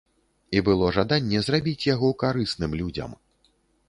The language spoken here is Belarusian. І было жаданне зрабіць яго карысным людзям.